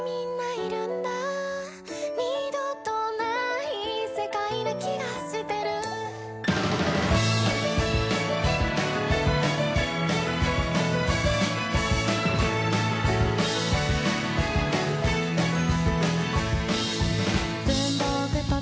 「二度とない世界な気がしてる」「文房具と時計